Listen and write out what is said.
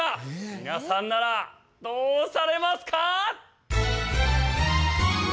皆さんならどうされますか？